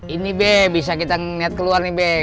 ini be bisa kita liat keluar nih be